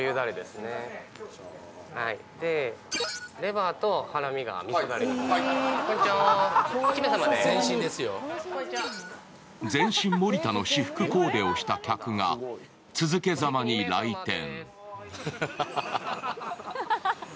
すると全身森田の私服コーデをした客が続けざまに来店。